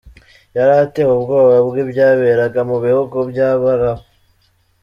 Yari atewe ubwoba bw’ibyaberaga mu bihugu by’abarabu.